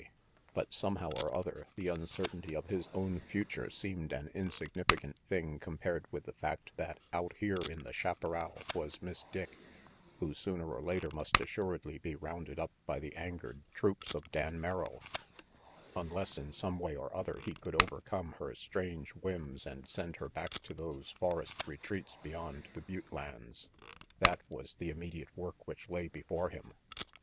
But somehow or other the uncertainty of his own future seemed an insignificant thing compared with the fact that out here in the chaparral was Miss Dick, who sooner or later must assuredly be rounded up by the angered troops of 236 RANGY PETE 237 Dan Merrill, unless in some way or other he could overcome her strange whims and send her back to those forest retreats beyond the butte lands. That was the immediate work which lay before him.